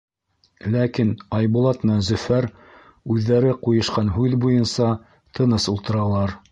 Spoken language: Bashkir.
Ләкин Айбулат менән Зөфәр, үҙҙәре ҡуйышҡан һүҙ буйынса, тыныс ултыралар.